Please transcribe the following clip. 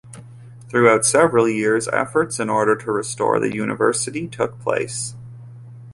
Throughout several years, efforts in order to restore the university took place.